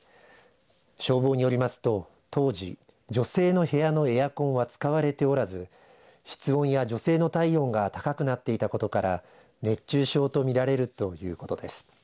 消防によりますと、当時女性の部屋のエアコンは使われておらず室温や女性の体温が高くなっていたことから熱中症と見られるということです。